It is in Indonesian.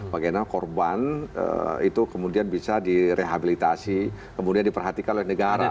bagaimana korban itu kemudian bisa direhabilitasi kemudian diperhatikan oleh negara